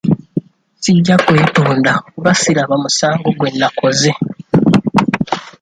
Sijja kwetonda kuba siraba musango gwe nnakoze.